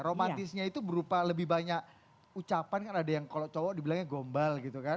romantisnya itu berupa lebih banyak ucapan kan ada yang kalau cowok dibilangnya gombal gitu kan